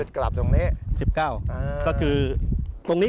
จุดกลับตรงนี้